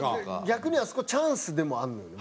逆にあそこチャンスでもあるのよね。